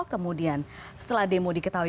kemudian setelah demo diketahui